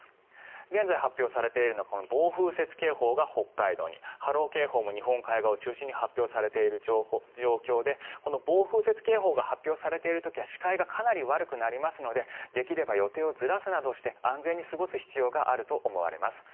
現在発表されているのは暴風雪警報が北海道に波浪警報も日本海側を中心に発表されている状況で暴風雪警報が発表されている時は視界がかなり悪くなりますのでできれば予定をずらすなどして安全に過ごす必要があると思われます。